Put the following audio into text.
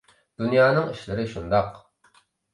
دۇنيانىڭ ئىشلىرى شۇنداق.